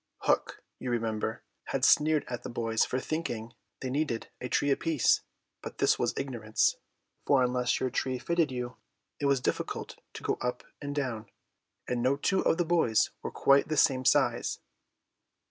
Hook, you remember, had sneered at the boys for thinking they needed a tree apiece, but this was ignorance, for unless your tree fitted you it was difficult to go up and down, and no two of the boys were quite the same size.